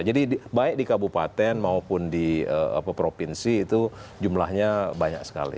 jadi baik di kabupaten maupun di provinsi itu jumlahnya banyak sekali